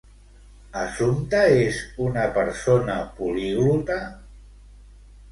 Assumpta és una persona poliglota?